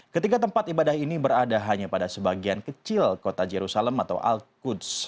ketiga tempat ibadah ini berada hanya pada sebagian kecil kota jerusalem atau al quds